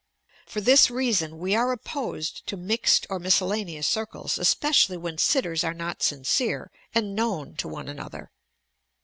For this reason we are opposed to mixed or miscellaneous circles, especially when sitters are not sincere and known to one another.